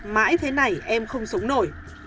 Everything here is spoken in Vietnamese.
mãi thế này em không sống nổi